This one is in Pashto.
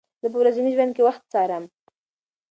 زه په ورځني ژوند کې وخت څارم.